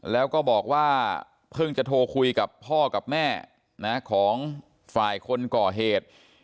แล้วก็บอกว่าเพิ่งจะโทรคุยกับพ่อกับแม่ของฝ่ายคนก่อเหตุ